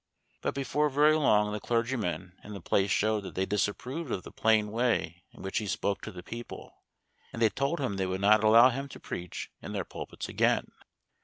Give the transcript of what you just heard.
But before very long the clergymen in the place showed that they disapproved of the plain way in which he spoke to the people, and they told him they would not allow him to preach in their pulpits again.